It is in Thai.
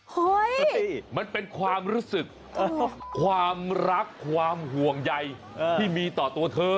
เฮ้ยมันเป็นความรู้สึกความรักความห่วงใยที่มีต่อตัวเธอ